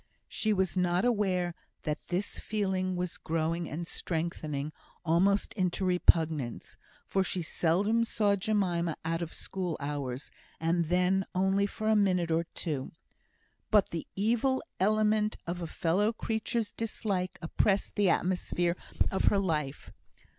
She was not aware that this feeling was growing and strengthening almost into repugnance, for she seldom saw Jemima out of school hours, and then only for a minute or two. But the evil element of a fellow creature's dislike oppressed the atmosphere of her life.